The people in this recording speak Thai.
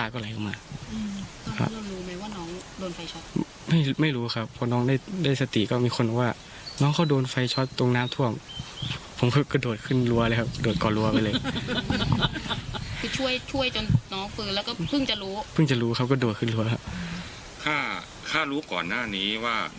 ข้ารู้ก่อนหน้านี้ว่าน้องหนุ่มไฟช็อตเราจะไปช่วยไหมข้ารู้ว่าไฟรั่ว